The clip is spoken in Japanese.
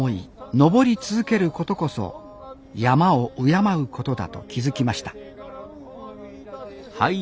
登り続けることこそ山を敬うことだと気付きました